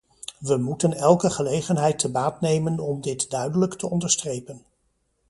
We moeten elke gelegenheid te baat nemen om dit duidelijk te onderstrepen.